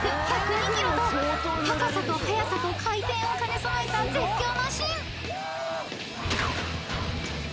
［高さと速さと回転を兼ね備えた絶叫マシン］